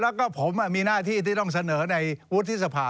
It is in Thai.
แล้วก็ผมมีหน้าที่ที่ต้องเสนอในวุฒิสภา